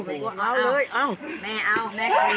ปู่เชิญปู่